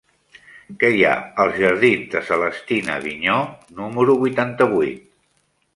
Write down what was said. Què hi ha als jardins de Celestina Vigneaux número vuitanta-vuit?